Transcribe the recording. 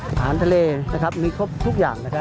อาหารทะเลมีครบทุกอย่างนะครับ